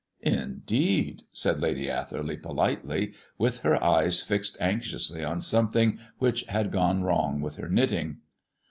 "Indeed!" said Lady Atherley politely, with her eyes fixed anxiously on something which had gone wrong with her knitting.